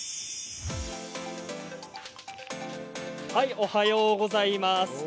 おはようございます。